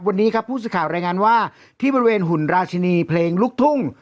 วันนี้ครับผู้สื่อข่าวรายงานว่าที่บริเวณหุ่นราชินีเพลงลูกทุ่ง